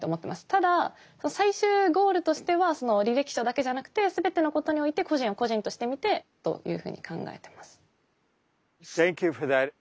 ただ最終ゴールとしては履歴書だけじゃなくて全てのことにおいて個人を個人として見てというふうに考えてます。